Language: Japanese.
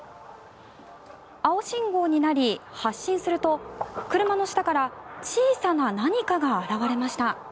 青信号になり発進すると車の下から小さな何かが現れました。